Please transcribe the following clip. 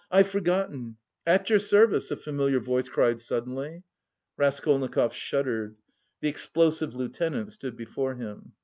I've forgotten! 'At your service!'" a familiar voice cried suddenly. Raskolnikov shuddered. The Explosive Lieutenant stood before him.